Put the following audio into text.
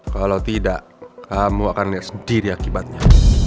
kalau tidak kamu akan lihat sendiri akibatnya